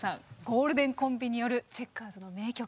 ゴールデンコンビによるチェッカーズの名曲